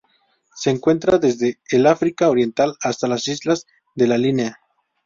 Se encuentra desde el África Oriental hasta las islas de la Línea.